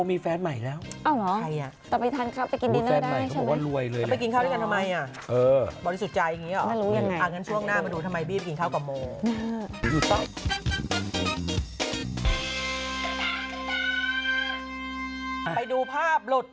นี่นางโมงกดมันเป็นเจรงทะกุล